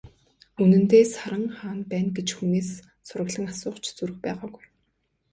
Үнэндээ, Саран хаана байна гэж хүнээс сураглан асуух ч зүрх байгаагүй.